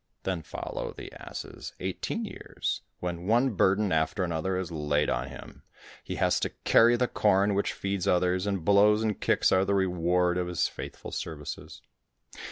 Then follow the ass's eighteen years, when one burden after another is laid on him, he has to carry the corn which feeds others, and blows and kicks are the reward of his faithful services.